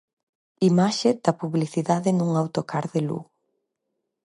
Imaxe da publicidade nun autocar de Lugo.